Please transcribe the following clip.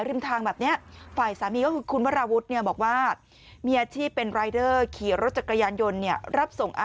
ลูกสาววัย๖ขวบ